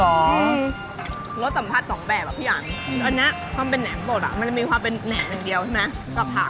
อันนี้ความเป็นแหนมโปรดมันจะมีความเป็นแหนมอย่างเดียวใช่ไหมกับผัก